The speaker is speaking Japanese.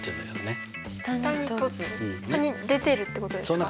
下に出てるってことですか？